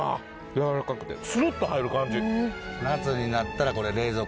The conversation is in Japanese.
やわらかくてスルッと入る感じ。